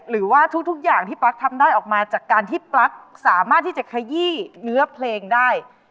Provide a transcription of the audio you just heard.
หรือว่าทุกอย่างที่ปลั๊กทำได้ออกมาจากการที่ปลั๊กสามารถที่จะขยี้เนื้อเพลงได้